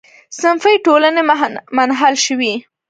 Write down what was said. صنفي ټولنې منحل شوې.